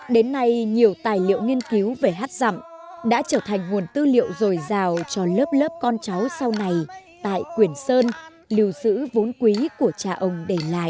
đến nay nhiều tài liệu nghiên cứu về hát rậm đã trở thành nguồn tư liệu rồi rào cho lớp lớp con cháu sau này tại quyển sơn lưu giữ vốn quý của cha ông đề lại